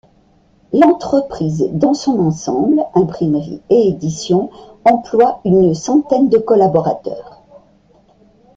L’entreprise dans son ensemble – imprimerie et édition – emploie une centaine de collaborateurs.